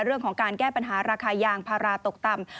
เรื่องของการแก้ปัญหาราคายางพาราตกต่ำ